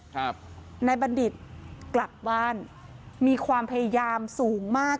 ครับนายบัณฑิตกลับบ้านมีความพยายามสูงมาก